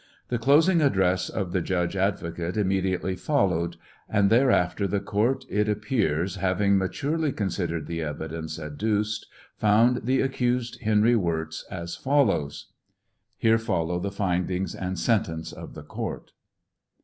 The closing address of the judge advocate immediately followed; and there after the court, it appears, having maturely considered the evidence adduced, found ihe accused, Henry Wirz, as follows : [Here follow the findings and sentence of the court.